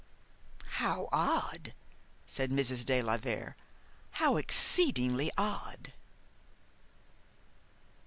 "How odd!" said Mrs. de la Vere. "How exceedingly odd!"